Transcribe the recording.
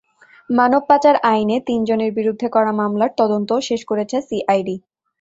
মানব পাচার আইনে তিনজনের বিরুদ্ধে করা মামলার তদন্তও শেষ করেছে সিআইডি।